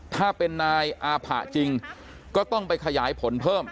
ถ้าเป็นนายอาผะจริงก็ต้องไปขยายผลเพิ่ม